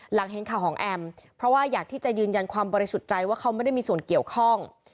หลังเห็นข่าวของแอมเพราะว่าอยากที่จะยืนยันความบริสุทธิ์ใจว่าเขาไม่ได้มีส่วนเกี่ยวข้อง